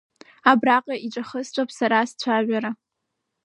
Абраҟа иҿахысҵәап сара сцәажәара.